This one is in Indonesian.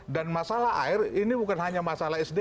dan masalah air ini bukan hanya masalah sda